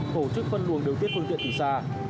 tổ chức phân luồng điều tiết phương tiện từ xa